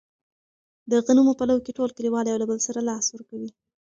د غنمو په لو کې ټول کلیوال یو له بل سره لاس ورکوي.